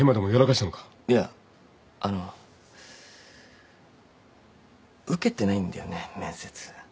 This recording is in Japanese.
いやあの受けてないんだよね面接。